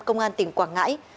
công an tỉnh quảng ngãi